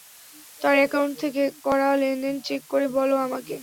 তার অ্যাকাউন্ট থেকে করা লেনদেন চেক করে বল আমাকে।